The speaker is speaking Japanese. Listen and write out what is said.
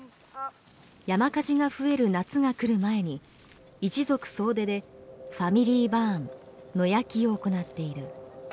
山火事が増える夏が来る前に一族総出でＦａｍｉｌｙＢｕｒｎ野焼きを行っている。